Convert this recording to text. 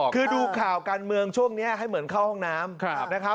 คือดูข่าวการเมืองช่วงนี้ให้เหมือนเข้าห้องน้ำนะครับ